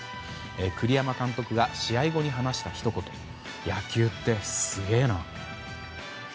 栗山監督が試合後に話したひと言野球ってすげえな。